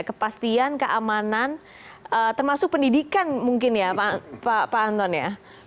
kepastian keamanan termasuk pendidikan mungkin ya pak anton ya